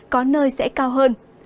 có nơi sẽ cao hơn